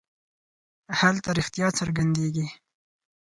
هلته رښتیا څرګندېږي.